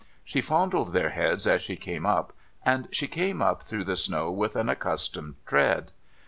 She fondled their heads as she came up, and she came up through the snow with an accustomed tread.